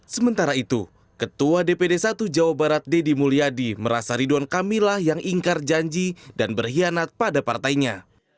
sementara itu ketua dpd satu jawa barat deddy mulyadi merasa ridwan kamil yang ingkar janji dan berkhianat pada partainya